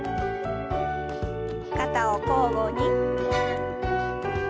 肩を交互に。